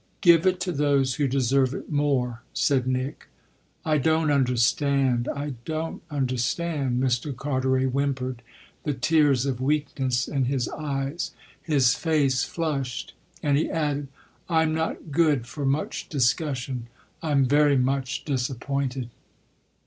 Give it to those who deserve it more," said Nick. "I don't understand, I don't understand," Mr. Carteret whimpered, the tears of weakness in his eyes. His face flushed and he added: "I'm not good for much discussion; I'm very much disappointed."